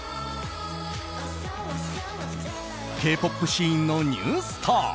Ｋ‐ＰＯＰシーンのニュースター。